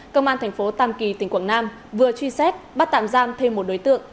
công an thành phố tam kỳ tỉnh quảng nam vừa truy xét bắt tạm giam thêm một đối tượng